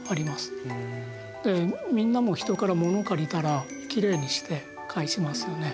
みんなも人から物を借りたらきれいにして返しますよね。